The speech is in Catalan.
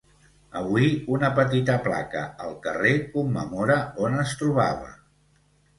Avui una petita placa al carrer commemora on es trobava.